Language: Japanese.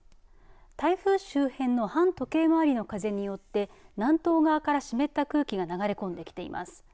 台風周辺の反時計回りの風によって南東側から湿った空気が流れ込んできています。